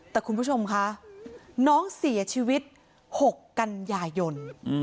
แต่คุณผู้ชมคะน้องเสียชีวิต๖กันยายน